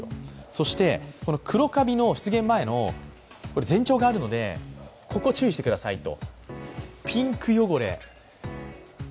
そして黒カビの出現前の前兆がありますのでここを注意してくださいと。